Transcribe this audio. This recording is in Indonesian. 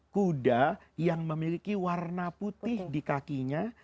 kuda yang memiliki warna putih di kakinya